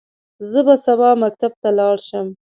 زه به سبا مکتب ته لاړ شم.